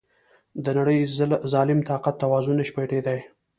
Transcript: د نړی ظالم طاقت توازن نشي پټیدای.